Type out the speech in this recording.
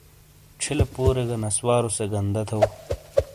چھیلے پورے گہ نسوارو سے گندا تھو۔